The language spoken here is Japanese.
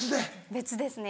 別ですね